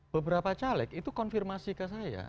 beberapa caleg itu konfirmasi ke saya